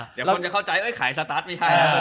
เดี๋ยวคนจะเข้าใจไขสตัสมั้ยคะ